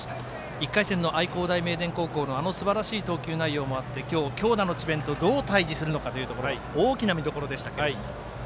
１回戦の愛工大名電とのあのすばらしい投球内容もあって強打の智弁とどう対じするのかも大きな見どころでした。